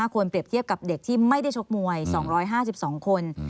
ควรเปรียบเทียบกับเด็กที่ไม่ได้ชกมวย๒๕๒คน